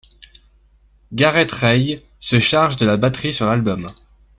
Garrett Ray se charge de la batterie sur l'album.